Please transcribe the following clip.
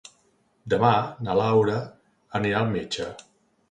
Demà na Lara anirà al metge.